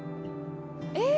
え！